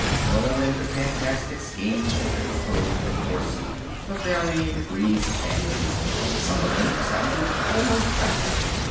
No end of fantastic schemes had been proposed, of course; of varying degrees of fantasy. Some of them sounded almost practical.